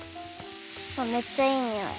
めっちゃいいにおい。